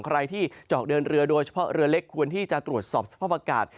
ใครที่เจาะเดินเรือโดยเฉพาะเรือเล็กควรที่จะตรวจสอบสภาพอากาศ